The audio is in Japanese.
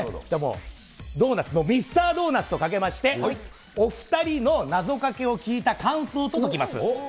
じゃあもう、ミスタードーナツとかけまして、お２人の謎かけを聞いた感想とときます。